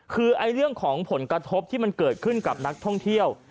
คือเรื่องของผลกระทบที่มันเกิดขึ้นกับนักท่องเที่ยว